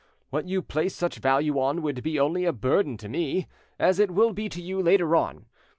What you place such value on would be only a burden to me, as it will be to you later on.